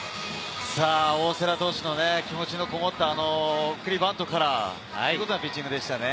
大瀬良投手の気持ちのこもった送りバントからナイスピッチングでしたね。